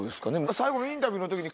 最後のインタビューの時に。